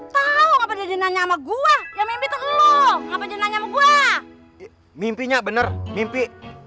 tahu apa jadi nanya sama gua yang mimpi ke lo ngapain nanya gua mimpinya bener mimpi